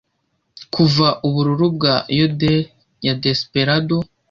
kuva Ubururu bwa Yodel ya Desperado